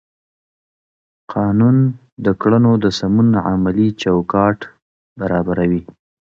قانون د کړنو د سمون عملي چوکاټ برابروي.